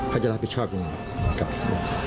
เขาจะรับผิดชอบยังไง